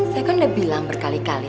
saya kan udah bilang berkali kali